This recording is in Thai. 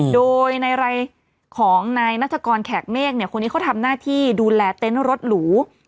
โดยในรายของนายนัฐกรแขกเมฆคนนี้เขาทำหน้าที่ดูแลเต็นต์รถหรู